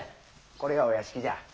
これがお屋敷じゃ。